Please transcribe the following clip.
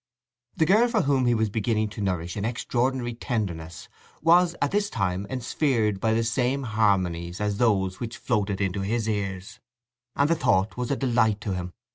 The girl for whom he was beginning to nourish an extraordinary tenderness was at this time ensphered by the same harmonies as those which floated into his ears; and the thought was a delight to him.